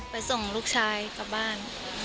ส่งลูกชายกลับบ้าน